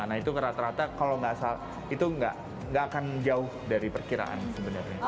nah itu rata rata kalau nggak salah itu nggak akan jauh dari perkiraan sebenarnya